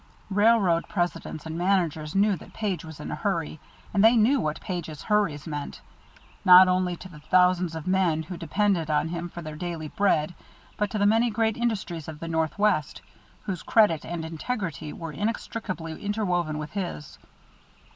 Railroad presidents and managers knew that Page was in a hurry, and they knew what Page's hurries meant, not only to the thousands of men who depended on him for their daily bread, but to the many great industries of the Northwest, whose credit and integrity were inextricably interwoven with his.